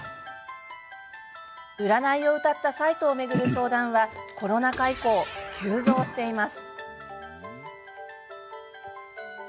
占いをうたったサイトを巡る相談は、コロナ禍以降急増しています。